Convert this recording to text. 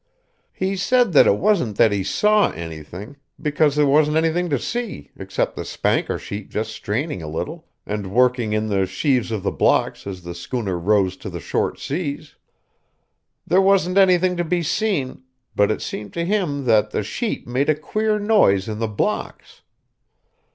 He said that it wasn't that he saw anything, because there wasn't anything to see except the spanker sheet just straining a little, and working in the sheaves of the blocks as the schooner rose to the short seas. There wasn't anything to be seen, but it seemed to him that the sheet made a queer noise in the blocks.